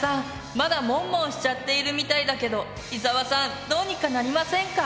まだモンモンしちゃっているみたいだけど伊沢さんどうにかなりませんか？